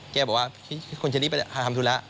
แกบอกว่าคุณจะรีบไปทำธุระ